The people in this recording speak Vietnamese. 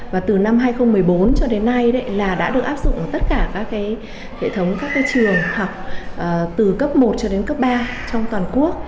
và từ năm hai nghìn một mươi bốn cho đến nay là đã được áp dụng ở tất cả các hệ thống các trường học từ cấp một cho đến cấp ba trong toàn quốc